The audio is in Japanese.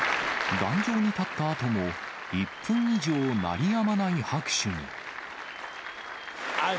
壇上に立ったあとも、１分以上鳴りやまない拍手に。